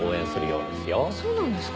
そうなんですか？